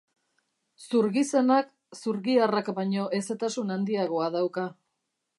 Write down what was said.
Zurgizenak zurgiharrak baino hezetasun handiagoa dauka.